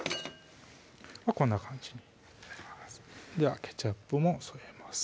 こんな感じになりますではケチャップも添えます